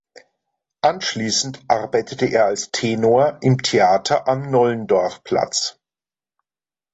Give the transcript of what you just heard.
Anschließend arbeitete er als Tenor im Theater am Nollendorfplatz.